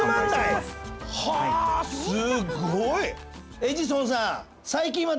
はあーすごい！